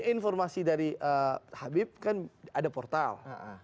informasi dari habib kan ada portal